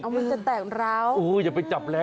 อ๋อมันต้มไปแล้ว